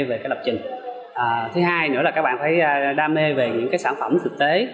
về cái lập trình thứ hai nữa là các bạn phải đam mê về những cái sản phẩm thực tế